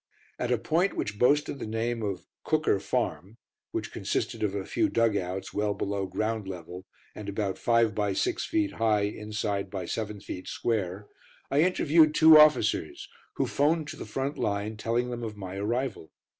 At a point which boasted the name of "Cooker Farm," which consisted of a few dug outs, well below ground level, and about five by six feet high inside by seven feet square, I interviewed two officers, who 'phoned to the front line, telling them of my arrival.